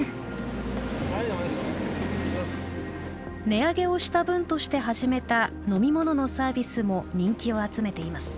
値上げをした分として始めた飲み物のサービスも人気を集めています。